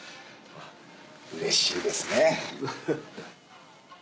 うれしいですね。